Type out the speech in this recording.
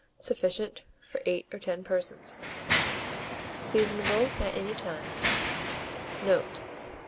Sufficient for 8 or 10 persons. Seasonable at any time. Note.